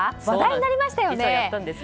話題になりましたよね。